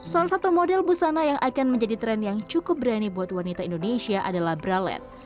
salah satu model busana yang akan menjadi tren yang cukup berani buat wanita indonesia adalah bralet